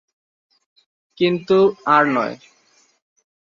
কিন্তু আর নয়।